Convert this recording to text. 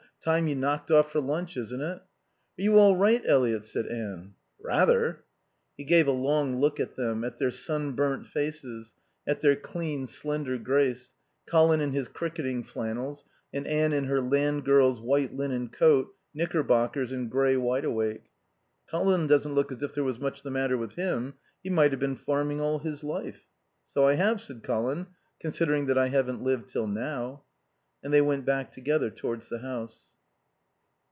Time you knocked off for lunch, isn't it?" "Are you all right, Eliot?" said Anne. "Rather." He gave a long look at them, at their sun burnt faces, at their clean, slender grace, Colin in his cricketing flannels, and Anne in her land girl's white linen coat, knickerbockers, and grey wideawake. "Colin doesn't look as if there was much the matter with him. He might have been farming all his life." "So I have," said Colin; "considering that I haven't lived till now." And they went back together towards the house.